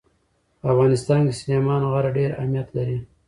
په افغانستان کې سلیمان غر ډېر اهمیت لري.